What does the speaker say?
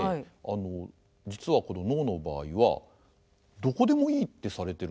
実はこの能の場合はどこでもいいってされてるんです。